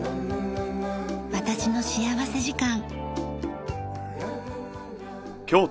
『私の幸福時間』。